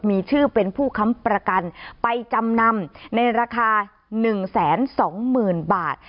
มีชื่อเป็นผู้ค้ำประกันไปจำนำในราคา๑๒๐๐๐๐บาท